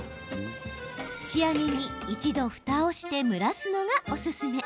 仕上げに１度、ふたをして蒸らすのが、おすすめ。